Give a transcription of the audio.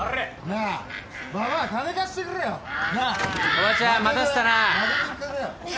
おばちゃん待たせたな。